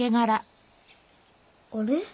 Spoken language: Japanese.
あれ？